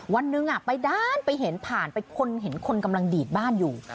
วันหนึ่งไปด้านไปเห็นผ่านไปคนเห็นคนกำลังดีดบ้านอยู่